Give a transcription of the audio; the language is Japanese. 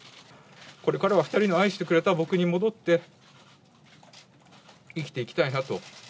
これからは２人の愛してくれた僕に戻って、生きていきたいなと。